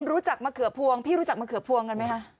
มะเขือพวงพี่รู้จักมะเขือพวงกันไหมคะ